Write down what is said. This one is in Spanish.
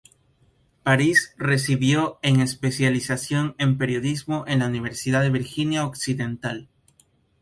Paris se recibió en especialización en periodismo en la Universidad de Virginia Occidental.